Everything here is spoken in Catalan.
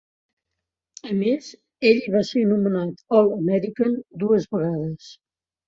A més, ell va ser nomenat All-American dues vegades.